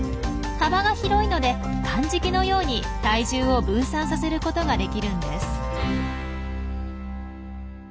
幅が広いのでかんじきのように体重を分散させることができるんです。